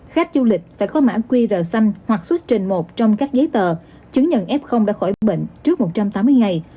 khách du lịch phải có mã qr xanh hoặc xuất trình một trong các giấy tờ chứng nhận f đã khỏi bệnh trước một trăm tám mươi ngày